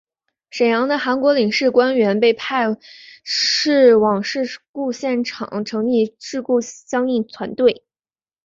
沈阳的韩国领事官员被派往事故现场成立事故相应团队。